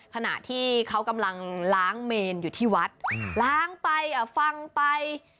ขณะที่เขากำลังล้างเมนอยู่ที่วัดล้างไปฟังไป